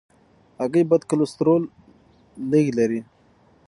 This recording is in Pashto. هګۍ بد کلسترول لږ لري.